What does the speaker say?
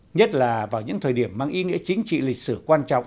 nhất là vào những thời điểm mang ý nghĩa chính trị lịch sử quan trọng